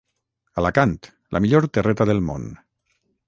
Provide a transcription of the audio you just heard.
Alacant, la millor terreta del món